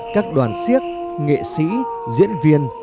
các đoàn siếc nghệ sĩ diễn viên